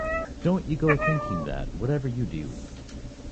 Don't you go thinking that, whatever you do.